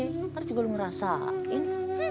ntar juga lu ngerasain